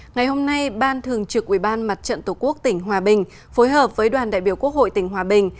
ngày hôm nay ban thường trực ubnd tổ quốc tỉnh hòa bình phối hợp với đoàn đại biểu quốc hội tỉnh hòa bình